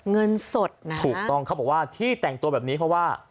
เงินสดนะถูกต้องเขาบอกว่าที่แต่งตัวแบบนี้เพราะว่า